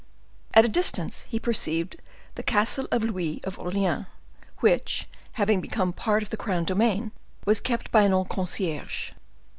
At a distance he perceived the Castle of Louis of Orleans, which, having become part of the crown domain, was kept by an old concierge.